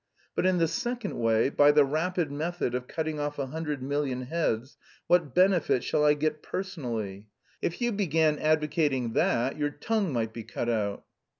But in the second way, by the rapid method of cutting off a hundred million heads, what benefit shall I get personally? If you began advocating that, your tongue might be cut out."